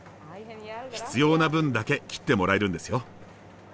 必要な分だけ切ってもらえるんですよ。